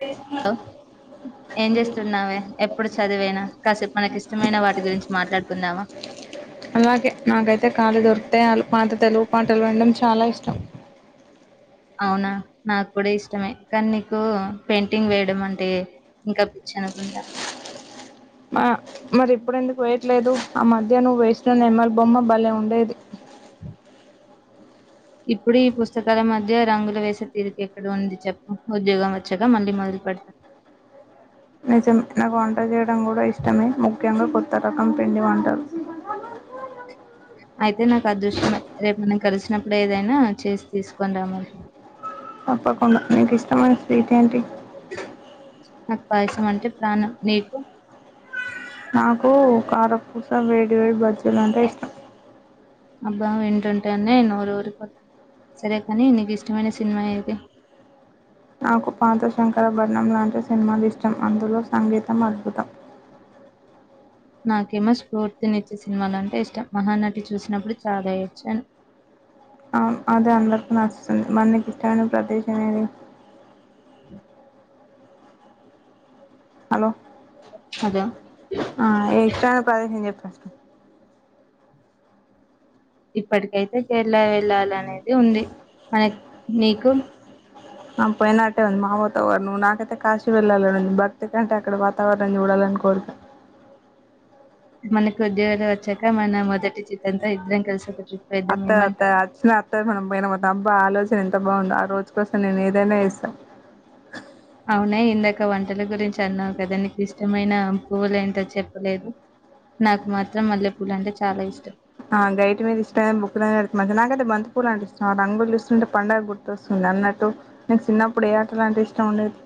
తెస్తున్న ఏం చేస్తున్నావే ఎప్పుడు చదివేనా కాసేపు మనకి ఇష్టమైన వాటి గురించి మాట్లాడుకుందామా అలాగే నాకైతే కాలిగా పాట పాత తెలుగు పాటలు వినడం చాలా ఇష్టం అవునా నాకు కూడా ఇష్టమే కానీ నీకు పెయింటింగ్ వేయడం అంటే ఇంకా పిచ్చను ఉంటా మా మరి ఇప్పుడుదుకు వేయట్లేదు ఆ మధ్య నువ్వు వేసిన నమ్మల్ బొమ్మ భలే ఉండేది హ ఇప్పుడు ఈ పుస్తకాల మధ్య రంగులు వేసే తీరిక ఎక్కడ ఉంది చెప్ప ఉద్యోగం వచ్చగా మళ్ళీ మొద నిం నాకు వంట చేయడం కూడా ఇష్టమే ముఖ్యంగా కొత్త రకం పిండి వంటలు అయితే నాకు అదృష్టం రేపు మనం కలిసినప్పుడు ఏదైనా చేసి తీసుకని రాము అప్ప కొ మీకు ఇష్టమ స్వీట్ ఆంటీ నాకు పాయసం అంటే ప్రాణం నీకు నాకు కారపూస వేడివేడి బజ్జీలు అంటే ఇష్టం అబ్బా వింటుంటాడి నోరు ఊరిపోతాను సరే కాని నీకు ఇష్టమైన సినిమా ఏది నాకు పాంత శంకర భట్నం లాంటి సినిమాలు ఇష్టం అందులో సంగీతం అద్భుతం నాకేమో స్ఫూర్తినిచ్చే సినిమాలంటే ఇష్టం మహానటి చూసినప్పుడు చాదా చ్చాన్ ఆ అదే అందరికి నస్తుస్తుంది మన్నకి ఇష్టమైన ప్రదేశమేది హలో అదో ఆ ఏష్టను ప్రదేశం చెప్ప ఇప్పటికైతే కేరళ వెళ్ళాల అనేది ఉంది మన నీకు ఆ పోయినట్టే ఉంది మా వాతావరణం నాకైతే కాశీ వెళ్ళాలనుంచి భక్తి కంటే అక్కడ వాతావరణం చూడాల కోల్ మనకి ఉద్యోగాలు వచ్చాక మన మొదటి చిట్ంతా ఇద్దరం కలిసు అత్త అత్తా అచ్చ అత్తం పైన మొం అబ్బా ఆలోచన ఎంత బాగుంది ఆ రోజు కోసం నేను ఏదైనా ఇస్తాను అవునా ఇందాక వంటల గురించి అన్నావు కదా నీకు ఇష్టమైన పువ్వులు ఏంటో చెప్పలేదు నాకు మాత్రం మల్లెపూల అంటే చాలా ఇష్టం ఆ గైటి మీద ఇష్టంమ బుక్ నాకై బంత పూలు అంట ఇస్తం ఆ రంగుళు ఇస్తుంటే పండగ గుర్తుస్తుంది అన్నట్టు నేను చిన్నప్పుడు ఏ ఆట లాంటిే ఇష్టం ఉండేది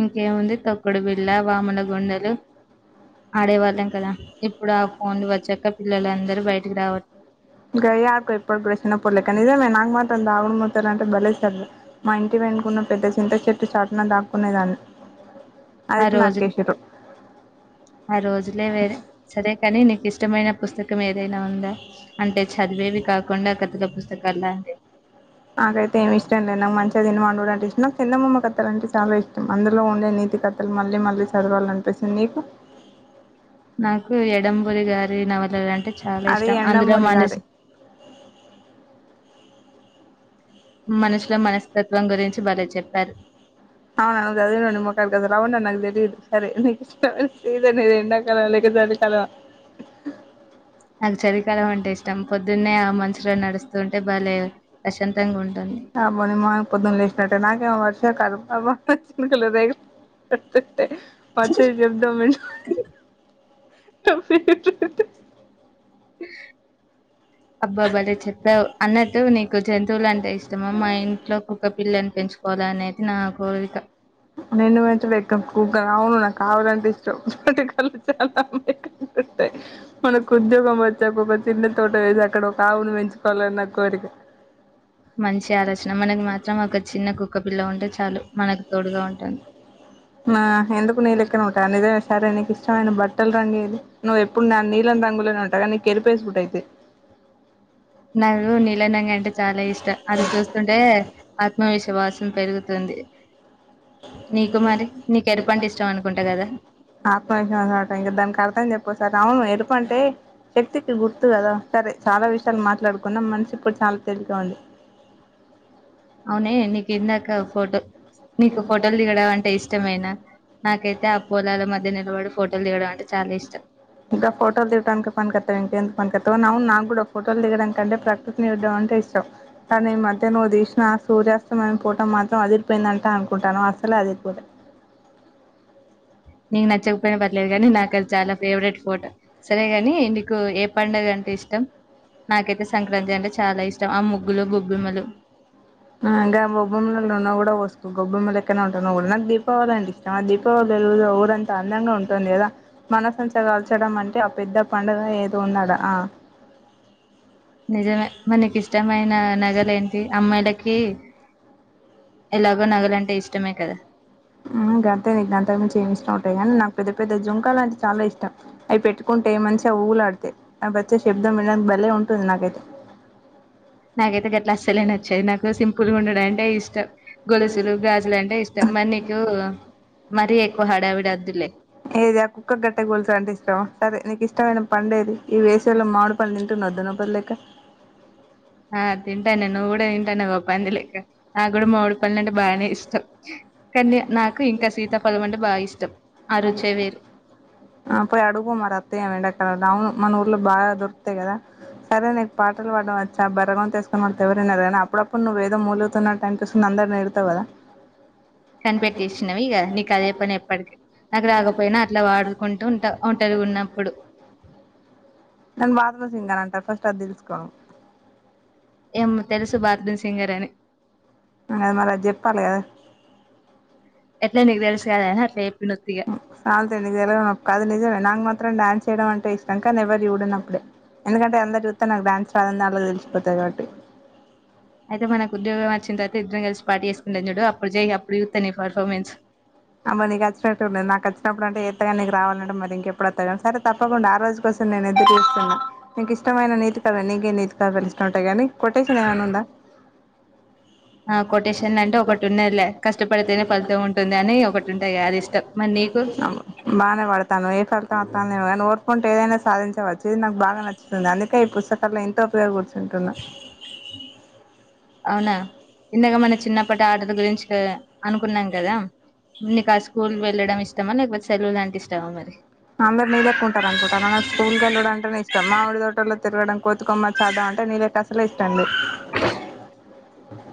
ఇంకేముంది తొక్కుడు బిళ్ళ వాముల గుండలు ఆడేవాళ్ళం కదా ఇప్పుడు ఆ ఫోన్లు వచ్చాక పిల్లలందరుూ బయటకి రావచ్చ ఇయార్ ఇప్పుడు కూడా చినా ప పోడలేక ఇద మే నా మాత్ర అంద ఆగు మాతార అంట బలసద మా ఇంటి పెనుకున్న పెద్ద చింత చెట్టు చాటున దాక్కునేదాన్ని ఆ అదిప్పు రోజులు నరగేశ్వరం ఆ రోజులే వేరే సరే కాని నీకు ఇష్టమైన పుస్తకం కం ఏదైనా ఉందా అంటే చదివేవి కాకుండా కథల పుస్తకాలంటివి నాకైతే ఏమి ఇష్టం లేదు నాకు మంచిగా తిననివాండు అంటే ఇష్టం నాకు చింతమ్మ కత్తలలుంటే చాలా ఇష్టం అందులో ఉండే తి కథలు మళ్ళీ మళ్ళీ చదవాలి అనిపిసింది నీకు నాకు ఎడంబూరి గారి నవలలు అంటే చాలా అది ఇష్టం అందులో ఎండమూరి గారి మానేసి మనసుల మనస్తత్వం గురించి భలే చెప్పారు అవు న అదే ని మకాలు కదవను న నాగ తెలి సరే [unintelligible] ఎకి ఇష్ట సతనే ఇది ఎండకల అ లేకి చలి కల నాకు చలికాలం అంటే ఇష్టం పొద్దున్నే ఆ మంచులో నడుస్తూ ఉంటే బాలె ప్రశాంతంగా ఉంటు అబ్బో నిమ్ ఇ పొదున్న లేసేనట్టే నాకే వర్ష కారు అమ చికు లేదగ పత్ర చెప్దా మంటప్ప [unintelligible] అబ్బాబ్బలే చెప్పావ్ అన్నట్టు నీ కు జంతువులు అంటే ఇష్టమా మా ఇంట్లో కుక్క పిల్లని పెంచుకోవాలి అనేది నా కోరిక నిన్ను పెంచుడే ఎక్కువ కుక్క అవును అవును నాక్ అవులంటే ఇష్టం [unintelligible] ఉంటాయ్ మనకు ఉద్యోగం వచ్చాక ఒక చిన్న తోట వేసి అక్కడ ఒక ఆవును పెంచుకోవాలని నా కోరిక మంచి ఆలోచన మనకి మాత్రం ఒక చిన్న కుక్కపిల్ల ఉంటే చాలు మనకు తోడుగా ఉంటుంది ఆ ఎందుకు నిలేక్కనే ఉంటాదా నీజ్ సరే నీకు ఇష్టమైన బట్టలు రంగేది నువ్వు ఎప్పుడు నా నీళ్ని రంగులేనే ఉంటావుకా నిక్ ఎరరుపేసుకుంట అయితే నాకు నీల రంగు అంటే చాలా ఇష్ ట్ అది చూస్తుంటే ఆత్మవిశ్వాసం పెరుగుతుంది నీకు మరి నీకు ఎరుపు అంటె ఇష్టం అనుకుంటా కదా ఆ [unintelligible] ఇంకా దానికి అర్తం చెప్పు ఓసారి అవును ఎరుపు అంటే శక్తికి గుర్తు కదా సరే చాలా విషయాలు మాట్లాడుకున్నాం మనసు ఇప్పుడు చాలా తేలికగా ఉంది అవునే నీకు ఇందాక ఫోటో నీకు ఫోటోలు దిగడం అంటే ఇష్టమేన నాకైతే ఆ పొలాల మధ్య నిలబడు ఫోటోలు దిగడం అంటే చాలా ఇష్టం ఇంకా ఫోటో దిగడానికే పనికొత్తావ్ ఇంక ఎందుక పనికొత్తావ్ అవును నా కూడా ఫోటోల్ దిగడం కంటే ప్రకృతిని చూడ్డం ఇష్టం కానీ ఈ మధ్య నువ్వు తీసిన ఆ సూర్యాస్తమయం ఫోటో మాత్రం అదిరిపోయిందంట అనుకుంటాను అ అలా అదిరిపోతాయి నేను నచ్చకపోయినా పర్లేదు గానీ నాకు అది చాలా ఫేవరెట్ ఫోటో సరేగాని నీకు ఏ పండగ అంటే ఇష్టం నాకైతే సంక్రాంతి అంటే చాలా ఇష్టం ఆ ముగ్గులు గొబ్బెమ్మలు ఆ ఇంకా గొబ్బెమ్మలో నూనె కూడా పోసుకో గొబ్బెమ్మ లెక్కనే ఉంటావ్ నువ్వు కూడా నాకు దీపావళి అంటే ఆ దీపావలి తెలుగులో ఊరంత అందంగా ఉంటుంది కదా మనసంత కాల్చడం అంటే ఆ పెద్ద పండుగ ఏదో ఉన్నాడ ఆ నిజమే మనకి ఇష్టమైన నగలు ఏంటి అమ్మాయిల కి ఎలాగో నగలంటే ఇష్టమే కదా ఉమ్ గంతే ఇగ అంతకు మించి ఏమి ఇష్టం ఉంటాయి కానీ నాకు పెద్ద పెద్ద జుంకాలు అంటే చాలా ఇష్టం అవి పెట్టుకుం అంటే మంచిగా ఊగులాడితే ఆ బచ్చే శబ్దం వినడానికి భలే ఉంటుంది నాకైతే నాకైతే గట్లా అస్సలే నచ్చవి నాకు సింపుల్ గా ఉండడం అంటే ఇష్టం గొలుసులు గాజులు అంటే ఇష్టం మరి నీకు మరీ ఎక్కువ హడావిడి వద్దులే ఏది ఆ కుక్కకు కట్టే గొలుసు అంటే ఇష్టంఆ సరే నీకు ఇష్టమైన పండేది ఈ వేసేవిలో మామిడి పండ్లు తింటున్న దున్న పోతులెక్క ఆ తింటానే నువ్వు గుడా తింటా అన్నావ్ గా పంది లెక్క నా గూడా మామిడి పండు అంటే బాగానే ఇష్టం కానీ నాకు ఇంకా సీతాఫలం అంటే బాగా ఇష్టం ఆ రుచే వేరు ఆ పోయి అడుగు మరి ఒత్తయేమో ఎండకాలం మన ఊర్లో బాగా దొరుకుతాయి కదా సరే నీకు పాటలు పాడడం వచ్చా బర్రె గొంతు వేసుకుని [unintelligible] ఎవరైనా కానీ అప్పుడప్పుడు నువ్ ఏదో మూలుగుతున్నట్టు అనిపిస్తుంది కానీ అందరుని త్తవ్ గదా కనిపెట్టిసేనవి ఇగ నీకు అదే పనే ఎప్పటికీ నాకు రాకపోయినా అట్లా పాడుకుంటూ ఉంట ఒంటరిగా ఉన్నప్పుడు నన్ను బాత్రూమ్ సింగర్ అని అంటారు ఫస్ట్ అది తెలుసుకో ఏం తెలుసు బాత్రూమ్ సింగర్ అని ఆ మరి అది జెప్పాలి కదా ఎట్లా నీకు తెలుసు కదా అని అట్లా చెప్పిన ఉత్తిగా [unintelligible] అది నిజమే నాకు మాత్రం డాన్స్ చేయడం అంటే ఇష్టం కానీ ఎవరు చూడునప్పుడే ఎందుకంటే అందరూ చూత్తే నాకు డాన్స్ రాదని దాంట్లో తెలిసిపోతది కాబట్టి అయితే మనకు ఉద్యోగం వచ్చిన తర్వాత ఇద్దరం కలిసి పార్టీ చేసుకుంటామ్ చూడు అప్పుడు చేయి అప్పుడు చూత్త నీ పర్ఫామెన్స్ అమేనీకచ్చినట్టు ఉన్నది నాకచ్చినప్పుడు అంటే ఎంతగా నీకు రావాలంటే మరిఇంకెప్పుడుత్తా సరే తప్పకుండా ఆ రోజు కోసం నేను ఎదురు చూస్తున్నా నీకు ఇష్టమైన నీతి కథలు నీకే నీతి కథలు ఇష్టం ఉంటాయి కాని కొటేషన్ ఏమైనా ఉందా ఆ కొటేషన్ అంటే ఒకటి ఉన్నదిలే కష్టపడితేనే ఫలితం ఉంటుందని ఒకటి ఉంటాది అది ఇష్ బాగానే పడతానవ్ ఏ ఫలితం వస్తానవ్ ఓర్పు ఉంటే ఏదైనా సాధించవచ్చు ఇది నాకు బాగా నచ్చుతుంది అందుకే ఈ పుస్తకాల్లో ఎంతో ఉపయోగ కూర్చుంటున్నా అవునా ఇందక మన చిన్నప్పటి ఆటలు గురించి అనుకున్నాం కదా నీకు ఆ స్కూల్ వెళ్ళడం ఇష్టమా లేకపోతే సెలవులంటే ఇష్టమా మరి అందరి నీ లెక్కుంటారు అనుకుంటున్నావా స్కూల్కి వెళ్ళుడు అంటేనే ఇష్టం మామిడి తోటలో తిరగడం కోతి కొమ్మచి ఆడడం అంటే నీలెక్క అసలు ఇష్టంలేదు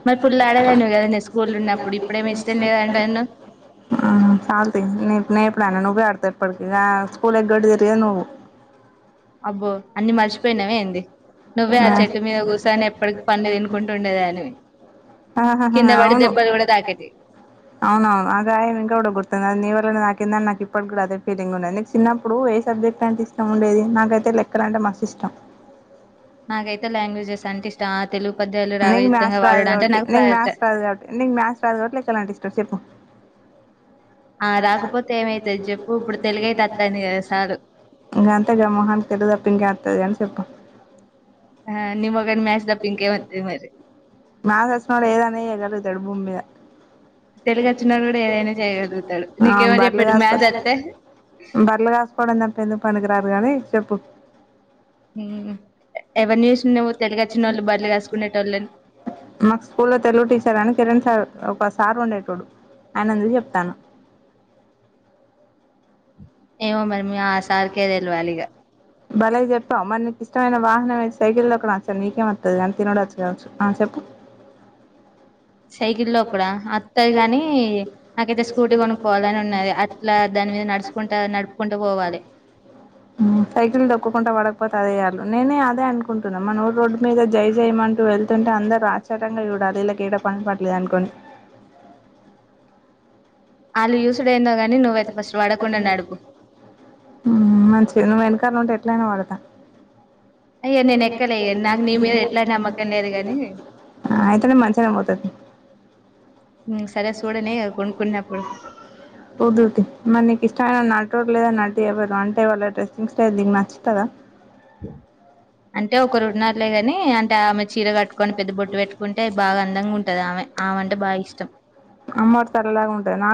మరి ఫుల్ ఆడేదానివ్ కదా నేను స్కూల్ల్ ఉన్నప్పుడు ఇప్పుడేమో ఇష్టం లేదంటున్నవ్ [unintelligible] [unintelligible] అబ్బో అన్ని మర్చిపోయినావే ఏంది నువ్వే ఆ చెట్టు మీద కూర్చొని ఎప్పటికి పండ్లు తినుకుంటు ఉండేదానివి నివి ఆహాహా అవును [unintelligible] కిందన నాకు ఇప్పడు కూడా అదే ఫీలింగ్ ఉన్నది నేను చిన్నప్పుడు ఏ సబ్జెక్ట్ అంటే ఇష్టం ఉండేది నాకైతే లెక్క లెక్కలు అంటే మస్తు ఇష్టం నాకైతే [unintelligible] నీకు రాగయుక్తంగా మ్యాథ్స్ రాదు వాడడం అంటే కాబట్టి నాకు నీకు ఫేవరెట్. మ్యాథ్స్ రాదు కాబట్టి నీకు మ్యాథ్స్ రాదు కాబట్టి లెక్కలు అంటే ఇష్టం చెప్పు ఆ రాకపోతే ఏమైతది చెప్పు ఇప్పుడు తెలుగైతే అత్తాంది కదా సాలు. ఇంకా అంతే గా మొహానికి ఏది ఇంకా వేతాది గాని చెప్పం [unintelligible] [unintelligible] ఆ బార్లే తెలుగు వచ్చినోడు కూడా ఏదైనా చేయగలుగుతాడు. నీకెవరు చెప్పిర్రు కాస్కో మ్యాథ్స్ అత్తే బార్లు కాసుకోవడం తప్ప ఎందుకు పనికిరారు గాని చెప్పు ఉ ఎవరిని చూసినన్నావ్ తెలుగచ్చినోళ్ళు బర్లు కాసు మాకు స్కూల్ తెలుగు టీచర్ అని కిరణ్ సార్ ఒకసార్ ఉండేటోడు ఆయన చూసి చెప్తాన్న ఏమో మరి మీ ఆ సార్కే తెల్వాలిగ భలే చెప్పవు మరి నీకు ఇష్టమైన వాహనం సైకిల్ తొక్కడం వచ్చు నీకేం వత్తాది తినడోచ్చు కావచ్చు చెప్పు సైకిల్ తొక్కుడా అత్తది గాని నాకైతే స్కూటీ కొనుక్కోవాలని ఉన్నది అట్లా దాని నడుచుకుంటా నడుపుకుంటూ పోవాలి సైకిల్ తక్కుంటా వాడకు దేయాలి నేనే అదే అనుకుంటున్నా మన ఊరు రోడ్డు మీద జై జై మంటూ వెళ్తుంటే అందరూ ఆశ్చర్యంగా చూడాలి విళ్ళకేడా పని పాట లేదు అనుకుని వాళ్ళు చూసుడు ఏందో గానీ నువ్వయితే ఫస్ట్ పడకుండా నడుపు మంచిది నువ్వు వెనకాల ఉంటే ఎట్లయినా వాడతా అయ్యో నేను ఎక్కలే నాకు నీ మీద ఎట్లా నమ్మకం లేదు గాని [unintelligible] ఆ అయితేనే మంచిగాన పోతది ఉమ్, సరే చూడని కొనుక్కున్నప్పుడు సెస్ [unintelligible] లేద అంటే ఎవరు అంటే వాళ్ళ డ్రెస్సింగ్ స్టైల్ నీకు నచ్చుతదా హ అంటే ఒకరు ఉన్నారులే గానీ అంటే ఆమె చీర కట్టుకొని పెద్ద బొట్టు పెట్టుకుంటే బాగా అందంగా ఉంటది ఆమె ఆమె అంటే బా ఇష్టం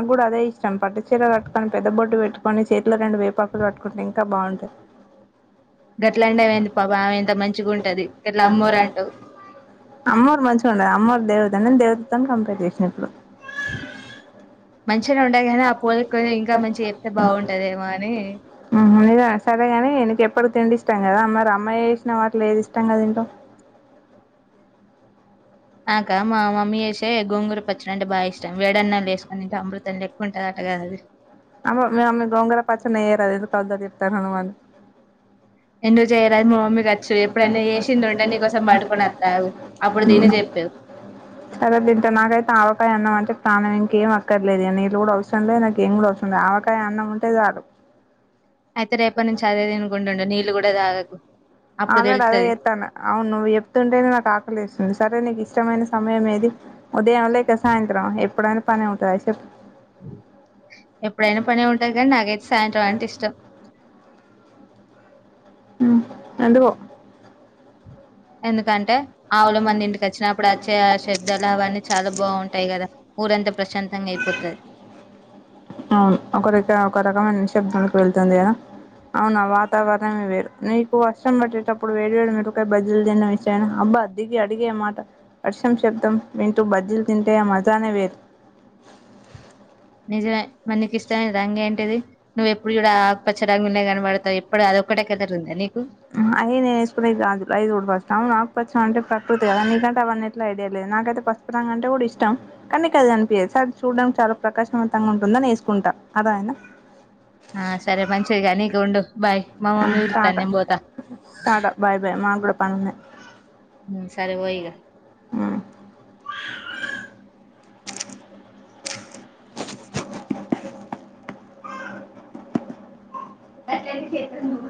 కూడ అదే ఇష్టం. పట్టుచీర కట్టుకొని, పెద్ద బొట్టు పెట్టుకుని, చేతిలో రెండు వేపాకులు పట్టుకుంటే ఇంకా బాగున్ స గట్లాంటివి ఏంది పాపం ఆమె ఎంత మంచిగా ఉంటది గట్లా అమ్మోరు అంటావు [unintelligible] అమ్మారు మంచిగా ఉండద? అమ్మోరు దేవత నిన్ దేవతతోని కంపేర్ చేసిన ఇప్పుడు. మంచిగానే మంచిగ ఉన్న ఉండయి గాని ఆ పోలిక కొంచెం ఇంకా మంచిగా చెప్తే [unintelligible] బాగుంటదేమో అని అమ్మయ్య సరేగాని, నీక్ ఎప్పుడు తిండి ఇష్టం కదా! మరి అమ్మాయ్య చేసిన వాటిలొ ఏది ఇష్టంగ తింటావ్ నాకా మా మమ్మీ చేసే గోంగూర పచ్చడి అంటే బాగ ఇష్టం. వేడి అన్నంలో వేసుకుని తింటే అమృతంలెక్ కుంటాదట గద అది. అమ్మో మిమమ్మీ గోంగూర పచ్చడి నియ్యారాద్ అదేదో కొత్తది చెప్తాన్నావ్ నువ్వు అని ఎందుకు చేయరాదు మా మమ్మీకి వచ్చు. ఎప్పుడైన్న చేసింది ఉంటే, నీకోసం పట్టుకొని వస్తా ఆగు. అప్పుడు దీని చెప్పు. సరే తింటా. నాకైతే ఆవకాయ అన్నం అంటే ప్రాణం ఇన్ కేం అక్కర్లేదు. నీళ్లు కూడా అవసరం లేదు. నాక్ ఏం కూడ అవసరం లేదు. ఆవకాయ అన్నం ఉంటే చాలు. అయితే, రేపటి నుంచి అదే తనిగుంటు ఉండు. నీళ్ళు కూడ తాగకు. అప్పుడు ఆల్రెడీ అదే తెలుత్తది చేత్తాన. అవును నువ్వు చెప్తుంటేనే, నాకు ఆకలేస్తుంది. సరే నీకిస్ ఇష్టమైన సమయం ఏది? ఉదయం లేక సాయంత్రమ ఎప్పుడైనా పనే ఉంటద చెప్ ఎప్పుడైనా పనే ఉంటది కానీ, నాకైతే సాయంత్రం అంటే ఇష్టం. మ్ ఎందుకో ఎందుకంటే, ఆవుల మంది ఇంటికి వచ్చినప్పుడు, వచ్చే ఆ శబ్దాలు అవన్నీ చాలా బాగుంటాయి కదా! ఊరంతా ప్రశాంతంగా అయిపోతాది. అవును ఒక రక ఒక రకమైన నిశబ్దానికి వెళ్తుంది కదా! అవును. ఆ వాతావరణం ఎ వేరు నీకు వర్షం పడేటప్పుడు, వేడి వేడి మిరపకాయ బజ్ బజ్జీలు తిన్న విషయం, అబ్బా దిగి అడిగే మాట వర్షం శబ్దం వింటూ బజ్జీలు తింటే, ఆ మజానే వేరు. నిజమే మరి నీకిష్టమైన రంగు ఏంటిది? నువ్ ఎప్పుడు చూడు ఆ ఆకుపచ్చ రంగు ఉన్నా కనపడతావు. ఎప్పుడు అదొక్కటే కలర్ ఉందా నీకు అయే నేను వేసుకునేది కాదు. అ ఐదు కూడపచ్చనావు నాకుపచ్చా అంటే, ప్రకృతి కదా! నీకంటే అవన్నీ ని ఐడియా లేదు నాకైతే పసుపురంగ అంటే కూడా ఇష్టం. కానీ నీకది కనిపియ్యదు సరే చూడడనీకి చాలా ప్రకాశవంతంగా ఉంటుంది. దాన వేసుకుంటా అర్థం అయిందా? ఆ సరే మంచిదికానీ, ఇక ఉండు బాయ్. మా మమ్మీ పిలుత్తాంది టాటా నేను పోతా. టాటా బై బై మాక్కూడ పనున్నై. మ్ సరే పో యిగ మ్ అత